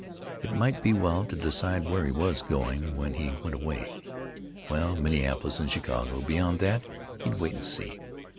it might be well to decide where he was going when he went away. Well, Minneapolis and Chicago. Beyond that—he'd wait and see.